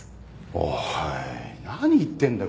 おい何言ってんだよ